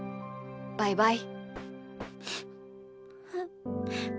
バイバイ。